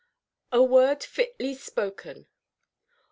A WORD FITLY SPOKEN.